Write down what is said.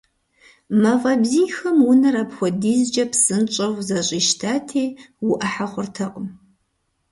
Мафӏэ бзийхэм унэр апхуэдизкӏэ псынщӏэу зэщӏищтати, уӏухьэ хъуртэкъым.